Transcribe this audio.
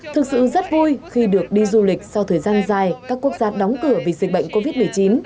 thực sự rất vui khi được đi du lịch sau thời gian dài các quốc gia đóng cửa vì dịch bệnh covid một mươi chín